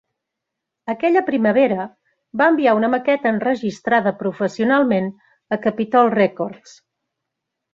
Aquella primavera va enviar una maqueta enregistrada professionalment a Capitol Records.